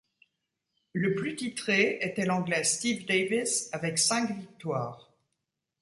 Le plus titré était l'anglais Steve Davis avec cinq victoires.